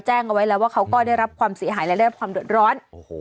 เอาไว้แล้วว่าเขาก็ได้รับความเสียหายและได้รับความเดือดร้อน